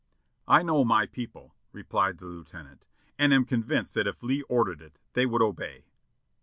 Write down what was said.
"I know my people," replied the Lieutenant, "and am con vinced that if Lee ordered it, they would obey."